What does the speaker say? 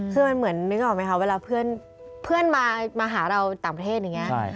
คือมันเหมือนนึกออกไหมคะเวลาเพื่อนมาหาเราต่างประเทศอย่างนี้